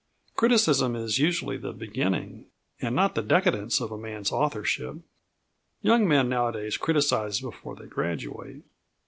Criticism is usually the beginning, and not the decadence, of a man's authorship. Young men nowadays criticise before they graduate.